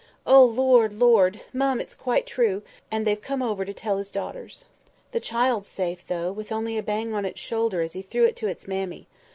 O Lord, Lord! Mum, it's quite true, and they've come over to tell his daughters. The child's safe, though, with only a bang on its shoulder as he threw it to its mammy.